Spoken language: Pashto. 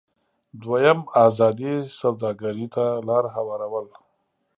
دویم: ازادې سوداګرۍ ته لار هوارول.